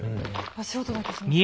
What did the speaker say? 足音だけしますね。